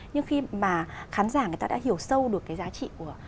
nhưng khi mà khán giả người ta đã hiểu sâu được cái giá trị của